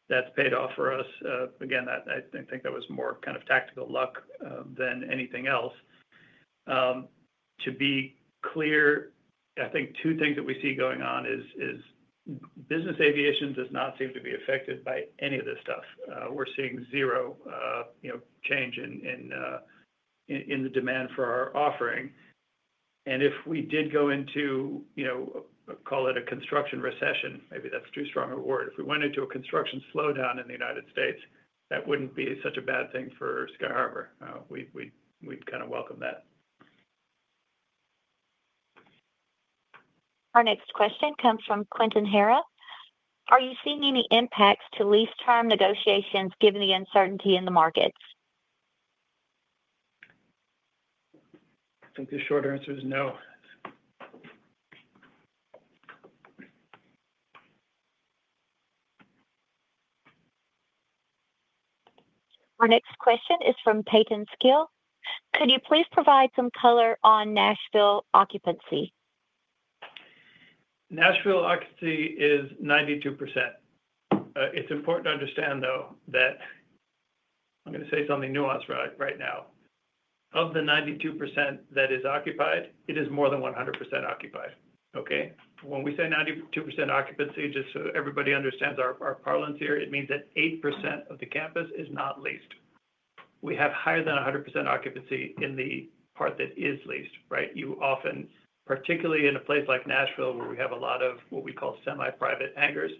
That's paid off for us. Again, I think that was more kind of tactical luck than anything else. To be clear, I think two things that we see going on is business aviation does not seem to be affected by any of this stuff. We're seeing zero change in the demand for our offering. If we did go into, call it a construction recession, maybe that's too strong a word. If we went into a construction slowdown in the U.S., that would not be such a bad thing for Sky Harbour. We would kind of welcome that. Our next question comes from Quentin Hera. Are you seeing any impacts to lease term negotiations given the uncertainty in the markets? I think the short answer is no. Our next question is from Peyton Skill. Could you please provide some color on Nashville occupancy? Nashville occupancy is 92%. It's important to understand, though, that I'm going to say something nuanced right now. Of the 92% that is occupied, it is more than 100% occupied. Okay? When we say 92% occupancy, just so everybody understands our parlance here, it means that 8% of the campus is not leased. We have higher than 100% occupancy in the part that is leased. Right? You often, particularly in a place like Nashville where we have a lot of what we call semi-private hangars,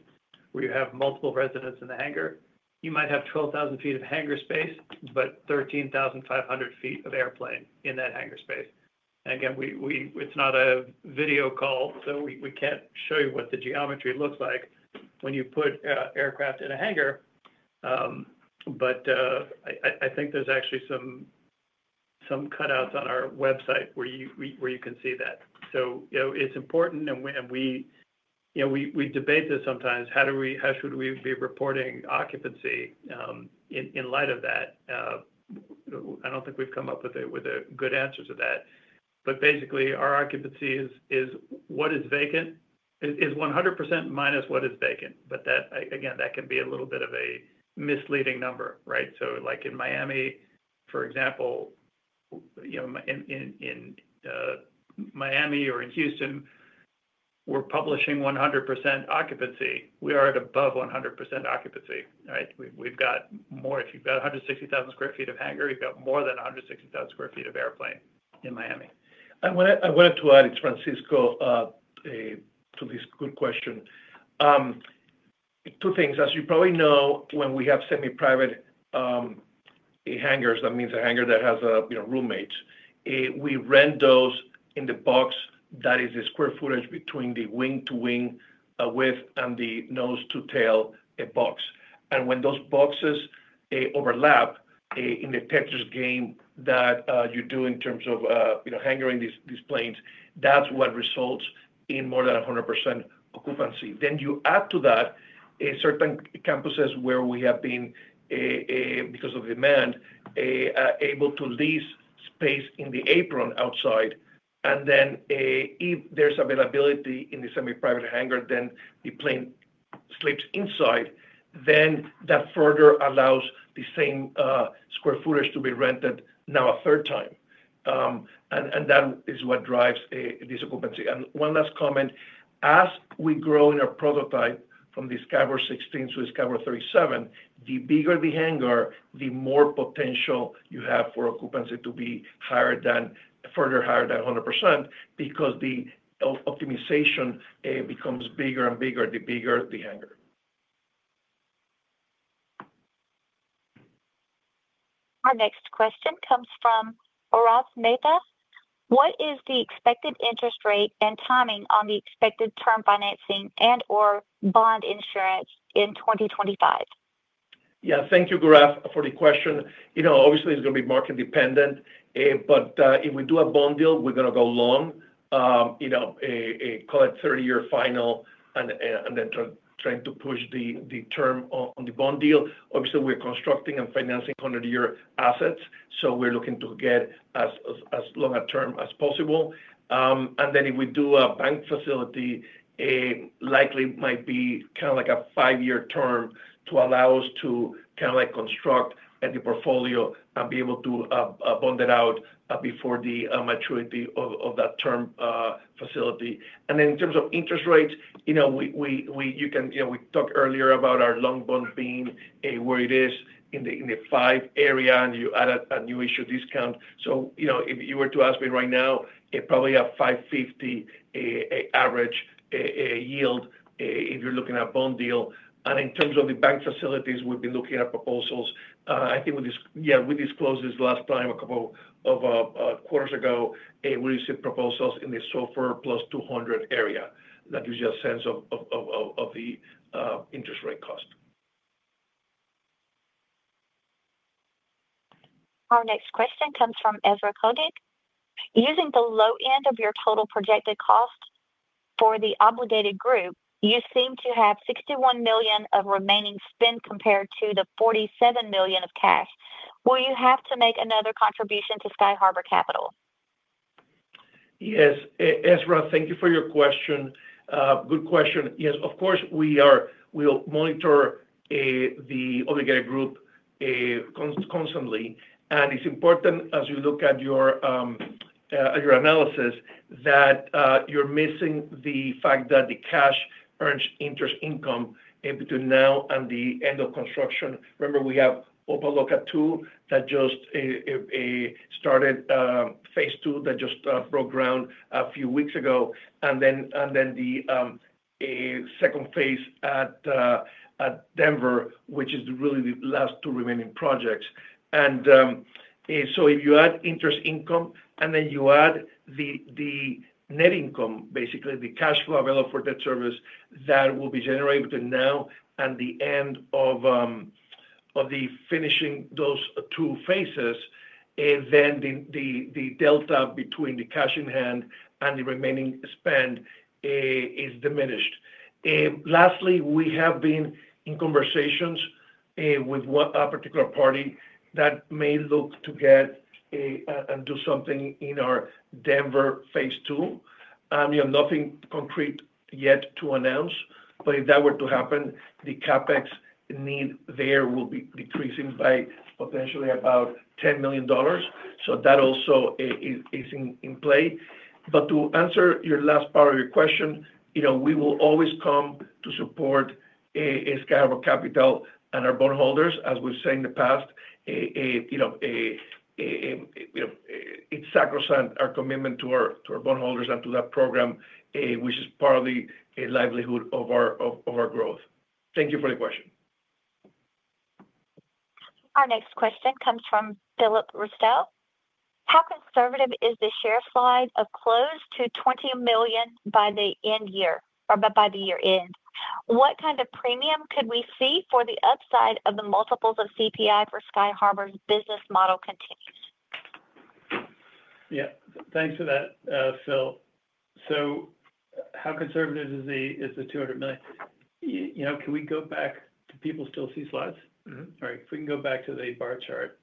where you have multiple residents in the hangar, you might have 12,000 sq ft of hangar space, but 13,500 sq ft of airplane in that hangar space. And again, it's not a video call, so we can't show you what the geometry looks like when you put aircraft in a hangar. I think there's actually some cutouts on our website where you can see that. It's important, and we debate this sometimes. How should we be reporting occupancy in light of that? I don't think we've come up with a good answer to that. Basically, our occupancy is what is vacant is 100% minus what is vacant. Again, that can be a little bit of a misleading number. Right? In Miami, for example, in Miami or in Houston, we're publishing 100% occupancy. We are at above 100% occupancy. Right? We've got more. If you've got 160,000 sq ft of hangar, you've got more than 160,000 sq ft of airplane in Miami. I wanted to add, it's Francisco, to this good question. Two things. As you probably know, when we have semi-private hangars, that means a hangar that has roommates, we rent those in the box that is the square footage between the wing-to-wing width and the nose-to-tail box. When those boxes overlap in the Tetris game that you do in terms of hangaring these planes, that is what results in more than 100% occupancy. You add to that certain campuses where we have been, because of demand, able to lease space in the apron outside. If there is availability in the semi-private hangar, then the plane slips inside. That further allows the same square footage to be rented now a third time. That is what drives this occupancy. One last comment. As we grow in our prototype from the Sky Harbour 16 to the Sky Harbour 37, the bigger the hangar, the more potential you have for occupancy to be further higher than 100% because the optimization becomes bigger and bigger the bigger the hangar. Our next question comes from Oraz Mehta. What is the expected interest rate and timing on the expected term financing and/or bond issuance in 2025? Yeah. Thank you, Gareth, for the question. Obviously, it's going to be market-dependent. If we do a bond deal, we're going to go long, call it 30-year final, and then trying to push the term on the bond deal. Obviously, we're constructing and financing 100-year assets, so we're looking to get as long a term as possible. If we do a bank facility, likely might be kind of like a five-year term to allow us to kind of like construct the portfolio and be able to bond it out before the maturity of that term facility. In terms of interest rates, you can talk earlier about our long bond being where it is in the five area, and you add a new issue discount. If you were to ask me right now, it's probably a 5.50% average yield if you're looking at a bond deal. In terms of the bank facilities, we've been looking at proposals. I think, yeah, we disclosed this last time a couple of quarters ago. We received proposals in the SOFR plus 200 basis points area that gives you a sense of the interest rate cost. Our next question comes from Ezra Codig. Using the low end of your total projected cost for the obligated group, you seem to have $61 million of remaining spend compared to the $47 million of cash. Will you have to make another contribution to Sky Harbour Capital? Yes. Ezra, thank you for your question. Good question. Yes. Of course, we'll monitor the obligated group constantly. It's important, as you look at your analysis, that you're missing the fact that the cash earns interest income between now and the end of construction. Remember, we have Opa-Locka II that just started phase II that just broke ground a few weeks ago. The second phase at Denver, which is really the last two remaining projects. If you add interest income and then you add the net income, basically the cash flow available for that service that will be generated between now and the end of finishing those two phases, then the delta between the cash in hand and the remaining spend is diminished. Lastly, we have been in conversations with a particular party that may look to get and do something in our Denver phase II. Nothing concrete yet to announce. If that were to happen, the CapEx need there will be decreasing by potentially about $10 million. That also is in play. To answer your last part of your question, we will always come to support Sky Harbour Capital and our bondholders. As we've said in the past, it is sacrosanct, our commitment to our bondholders and to that program, which is part of the livelihood of our growth. Thank you for the question. Our next question comes from Philip Rostell. How conservative is the share slide of close to $20 million by the end year or by the year end? What kind of premium could we see for the upside of the multiples of CPI for Sky Harbour's business model continues? Yeah. Thanks for that, Phil. So how conservative is the $200 million? Can we go back? Do people still see slides? All right. If we can go back to the bar chart.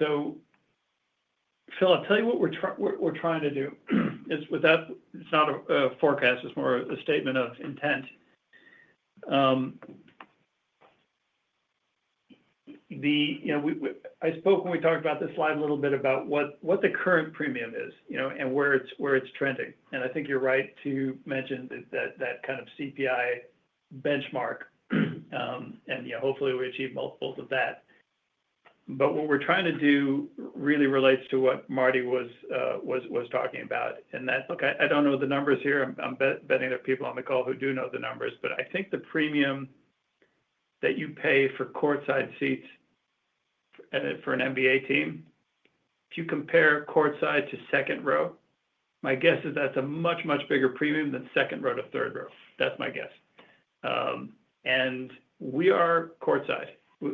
So Phil, I'll tell you what we're trying to do. It's not a forecast. It's more a statement of intent. I spoke when we talked about this slide a little bit about what the current premium is and where it's trending. I think you're right to mention that kind of CPI benchmark. Hopefully, we achieve multiples of that. What we're trying to do really relates to what Marty was talking about. I don't know the numbers here. I'm betting there are people on the call who do know the numbers. I think the premium that you pay for courtside seats for an NBA team, if you compare courtside to second row, my guess is that's a much, much bigger premium than second row to third row. That's my guess. We are courtside.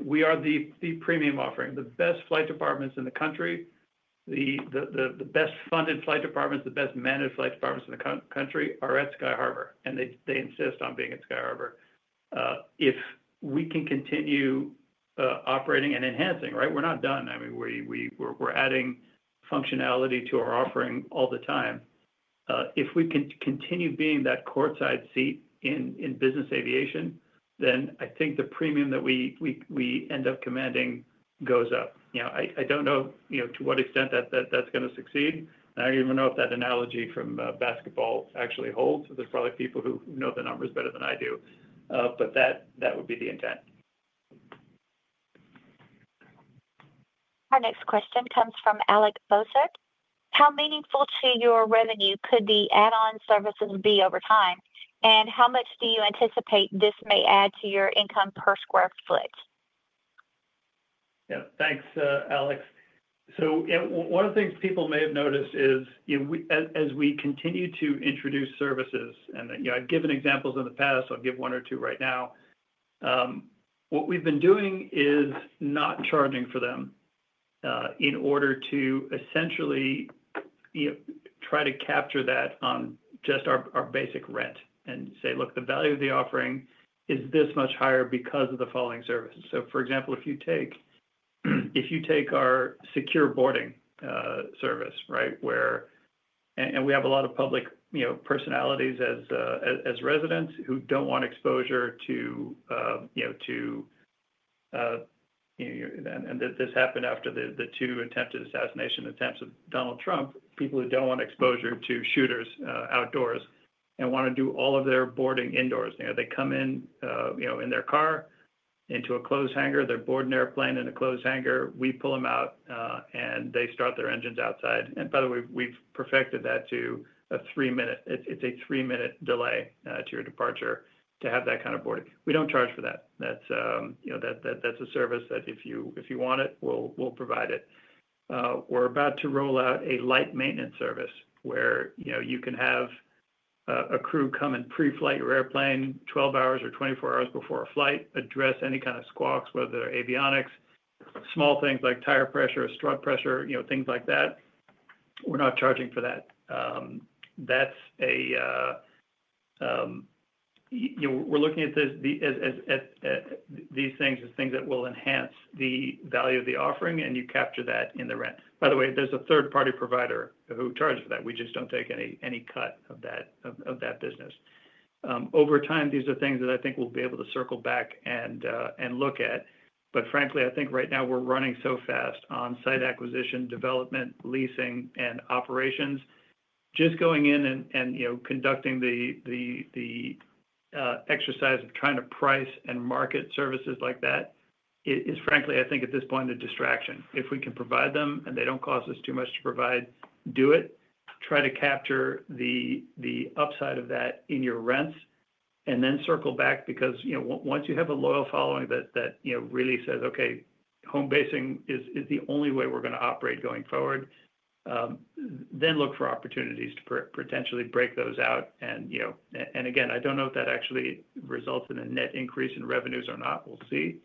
We are the premium offering. The best flight departments in the country, the best funded flight departments, the best managed flight departments in the country are at Sky Harbour. They insist on being at Sky Harbour. If we can continue operating and enhancing, right? We're not done. I mean, we're adding functionality to our offering all the time. If we can continue being that courtside seat in business aviation, then I think the premium that we end up commanding goes up. I do not know to what extent that's going to succeed. I do not even know if that analogy from basketball actually holds are probably people who know the numbers better than I do. That would be the intent. Our next question comes from Alec Bozert. How meaningful to your revenue could the add-on services be over time? How much do you anticipate this may add to your income per square foot? Yeah. Thanks, Alex. One of the things people may have noticed is, as we continue to introduce services, and I've given examples in the past. I'll give one or two right now. What we've been doing is not charging for them in order to essentially try to capture that on just our basic rent and say, "Look, the value of the offering is this much higher because of the following services." For example, if you take our secure boarding service, right, where we have a lot of public personalities as residents who do not want exposure to—and this happened after the two attempted assassination attempts of Donald Trump—people who do not want exposure to shooters outdoors and want to do all of their boarding indoors. They come in in their car into a closed hangar. They're boarding an airplane in a closed hangar. We pull them out, and they start their engines outside. By the way, we've perfected that to a three-minute—it's a three-minute delay to your departure to have that kind of boarding. We don't charge for that. That's a service that if you want it, we'll provide it. We're about to roll out a light maintenance service where you can have a crew come and preflight your airplane 12 hours or 24 hours before a flight, address any kind of squawks, whether they're avionics, small things like tire pressure, strut pressure, things like that. We're not charging for that. We're looking at these things as things that will enhance the value of the offering, and you capture that in the rent. By the way, there's a third-party provider who charges for that. We just don't take any cut of that business. Over time, these are things that I think we'll be able to circle back and look at. Frankly, I think right now we're running so fast on site acquisition, development, leasing, and operations. Just going in and conducting the exercise of trying to price and market services like that is, frankly, I think at this point, a distraction. If we can provide them and they do not cost us too much to provide, do it. Try to capture the upside of that in your rents and then circle back. Once you have a loyal following that really says, "Okay, home basing is the only way we're going to operate going forward," look for opportunities to potentially break those out. Again, I do not know if that actually results in a net increase in revenues or not. We'll see.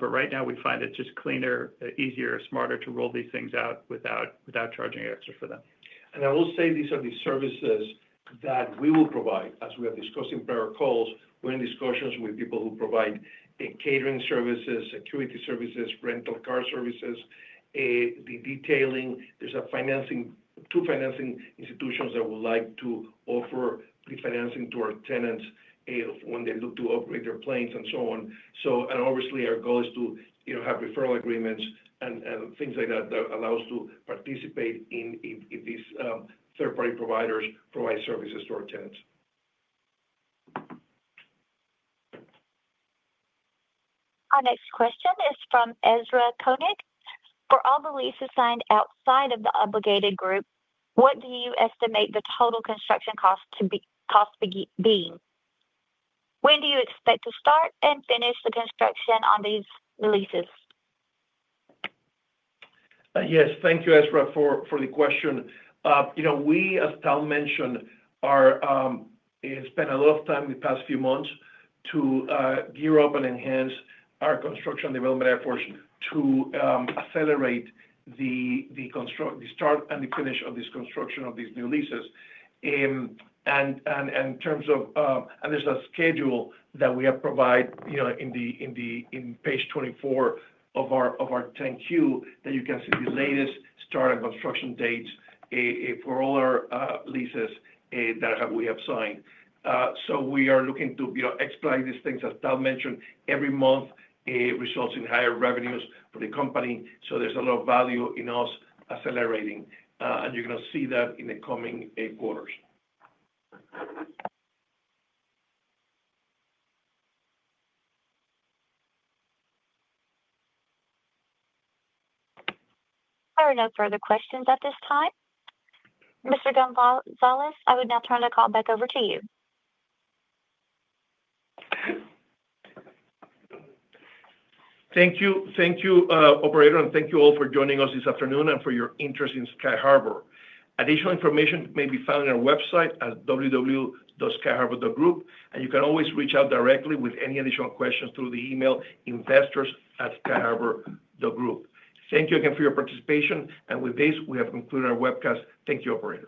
Right now, we find it just cleaner, easier, smarter to roll these things out without charging extra for them. I will say these are the services that we will provide. As we have discussed in prior calls, we're in discussions with people who provide catering services, security services, rental car services, the detailing. There are two financing institutions that would like to offer the financing to our tenants when they look to upgrade their planes and so on. Obviously, our goal is to have referral agreements and things like that that allow us to participate if these third-party providers provide services to our tenants. Our next question is from Ezra Codig. For all the leases signed outside of the obligated group, what do you estimate the total construction costs to be? When do you expect to start and finish the construction on these leases? Yes. Thank you, Ezra, for the question. We, as Tal mentioned, have spent a lot of time in the past few months to gear up and enhance our construction development efforts to accelerate the start and the finish of this construction of these new leases. In terms of—and there is a schedule that we have provided on page 24 of our 10-Q that you can see the latest start and construction dates for all our leases that we have signed. We are looking to expedite these things, as Tal mentioned. Every month results in higher revenues for the company. There is a lot of value in us accelerating. You are going to see that in the coming quarters. There are no further questions at this time. Mr. Gonzalez, I would now turn the call back over to you. Thank you, Operator. Thank you all for joining us this afternoon and for your interest in Sky Harbour. Additional information may be found on our website at www.skyharbour.group. You can always reach out directly with any additional questions through the email investors@skyharbour.group. Thank you again for your participation. With this, we have concluded our webcast. Thank you, Operator.